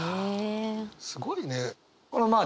すごいね。